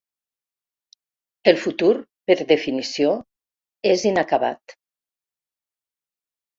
El futur, per definició, és inacabat.